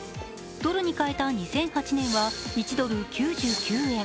ドルに替えた２００８年は１ドル＝９９円。